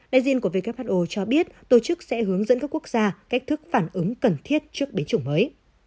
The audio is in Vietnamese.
đại diện của who cho biết tổ chức sẽ hướng dẫn các quốc gia cách thức phản ứng cần thiết trước bế chủng mới